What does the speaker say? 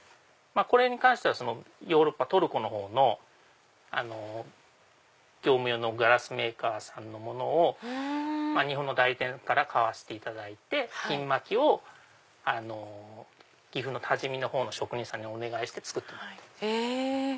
これに関してはトルコのほうの業務用のグラスメーカーさんのものを日本の代理店から買わせていただいて金巻きを岐阜の多治見のほうの職人さんにお願いして作ってもらってます。